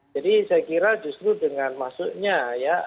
jadi saya kira justru dengan maksudnya ya